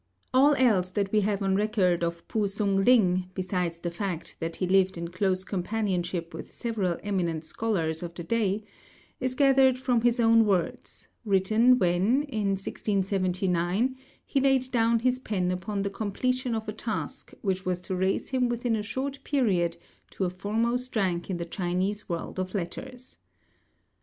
All else that we have on record of P'u Sung ling, besides the fact that he lived in close companionship with several eminent scholars of the day, is gathered from his own words, written when, in 1679, he laid down his pen upon the completion of a task which was to raise him within a short period to a foremost rank in the Chinese world of letters.